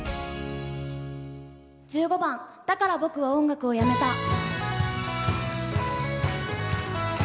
１５番「だから僕は音楽を辞めた」。